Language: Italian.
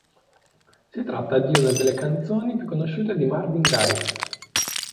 Si tratta di una delle canzoni più conosciute di Marvin Gaye.